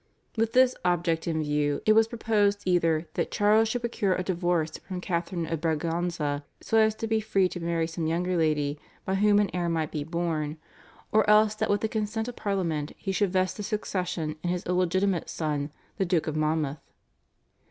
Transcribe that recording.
With this object in view it was proposed either that Charles should procure a divorce from Catharine of Braganza, so as to be free to marry some younger lady by whom an heir might be born, or else that with the consent of Parliament he should vest the succession in his illegitimate son, the Duke of Monmouth.